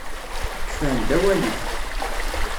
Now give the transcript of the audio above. Sefhem-d awal-ik.